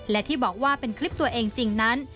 และที่บอกว่าเป็นคลิปตัวเองจริงนั้น